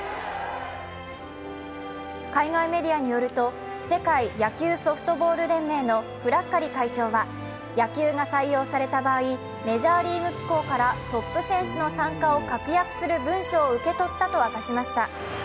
海外メディアによると、世界野球ソフトボール連盟のフラッカリ会長は、野球が採用された場合、メジャーリーグ機構からトップ選手の参加を確約する文書を受け取ったと明かしました。